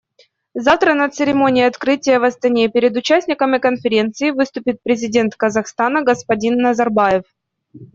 Завтра на церемонии открытия в Астане перед участниками Конференции выступит Президент Казахстана господин Назарбаев.